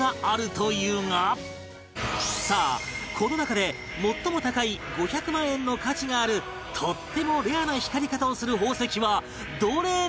さあこの中で最も高い５００万円の価値があるとってもレアな光り方をする宝石はどれなのか？